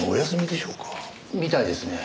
みたいですね。